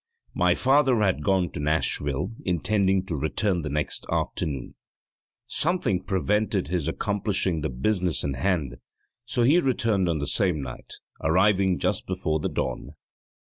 My father had gone to Nashville, intending to return the next afternoon. Something prevented his accomplishing the business in hand, so he returned on the same night, arriving just before the dawn.